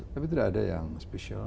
tapi tidak ada yang spesial